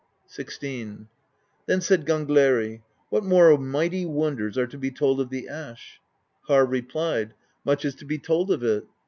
XVI. Then said Gangleri: "What more mighty wonders are to be told of the Ash?" Harr replied: "Much is to be told of it.